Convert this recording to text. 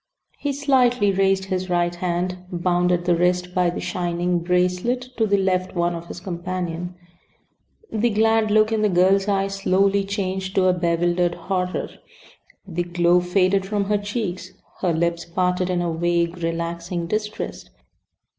He slightly raised his right hand, bound at the wrist by the shining "bracelet" to the left one of his companion. The glad look in the girl's eyes slowly changed to a bewildered horror. The glow faded from her cheeks. Her lips parted in a vague, relaxing distress.